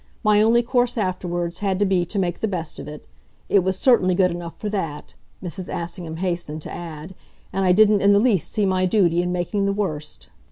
My only course, afterwards, had to be to make the best of it. It was certainly good enough for that," Mrs. Assingham hastened to add, "and I didn't in the least see my duty in making the worst.